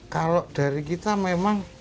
kalau dari kita memang